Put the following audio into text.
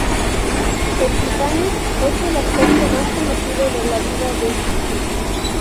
El "Titanic" es el aspecto más conocido de la vida de Gibson.